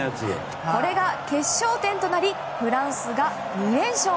これが決勝点となりフランスが２連勝。